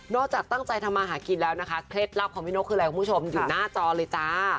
จากตั้งใจทำมาหากินแล้วนะคะเคล็ดลับของพี่นกคืออะไรคุณผู้ชมอยู่หน้าจอเลยจ้า